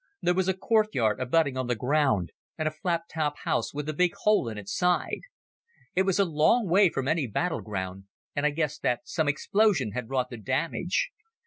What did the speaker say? There was a courtyard abutting on the road, and a flat topped house with a big hole in its side. It was a long way from any battle ground, and I guessed that some explosion had wrought the damage.